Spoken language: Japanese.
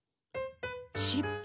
しっぽ？